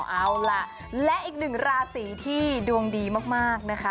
เอาล่ะและอีกหนึ่งราศีที่ดวงดีมากนะคะ